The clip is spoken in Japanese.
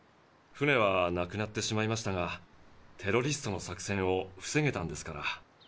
船はなくなってしまいましたがテロリストの作戦を防げたんですから。